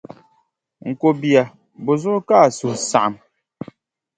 N ko bia, bɔ zuɣu ka a suhu saɣim?